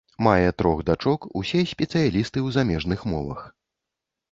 Мае трох дачок, усе спецыялісты ў замежных мовах.